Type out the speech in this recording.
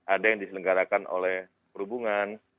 ada yang diselenggarakan oleh perhubungan